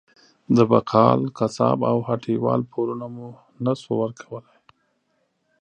د بقال، قصاب او هټۍ وال پورونه مو نه شو ورکولی.